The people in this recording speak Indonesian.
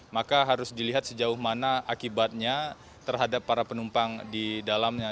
maka harus dilihat sejauh mana akibatnya terhadap para penumpang di dalamnya